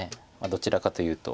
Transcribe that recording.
どちらかというと。